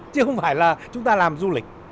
chứ không phải là chúng ta làm du lịch